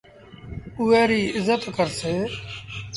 اُئي ريٚ ازت ڪرسي۔